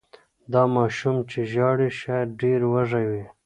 دا ماشوم چې ژاړي شاید ډېر وږی وي.